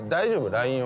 ＬＩＮＥ